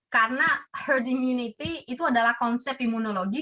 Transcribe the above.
karena herd immunity itu adalah konsep imunologi